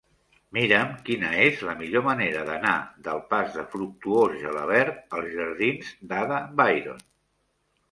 Mira'm quina és la millor manera d'anar del pas de Fructuós Gelabert als jardins d'Ada Byron.